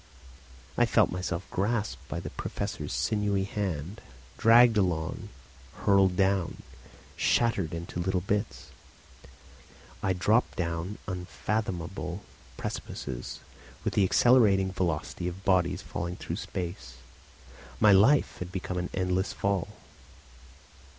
I felt myself grasped by the Professor's sinewy hand, dragged along, hurled down, shattered into little bits. I dropped down unfathomable precipices with the accelerating velocity of bodies falling through space. My life had become an endless fall.